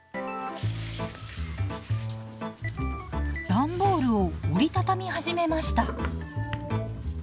段ボールを折り畳み始めました。